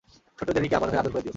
ছোট্ট জেনিকে আমার হয়ে আদর করে দিও।